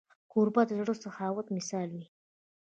کوربه د زړه د سخاوت مثال وي.